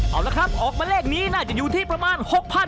เอาละครับออกมาเลขนี้น่าจะอยู่ที่ประมาณ๖๐๐บาท